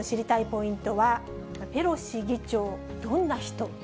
ポイントはペロシ議長、どんな人？